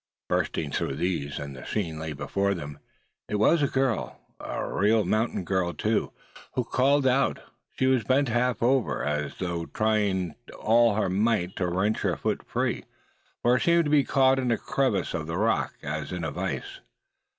Bursting through these, and the scene lay before them. It was a girl, a real mountain girl too, who had called out. She was half bent over, as though trying all her might to wrench her foot free, for it seemed to be caught in a crevice of the rock, as in a vise.